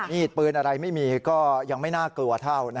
มีดปืนอะไรไม่มีก็ยังไม่น่ากลัวเท่า